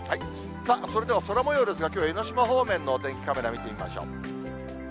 それでは空もようですが、きょう、江の島方面のお天気カメラ見てみましょう。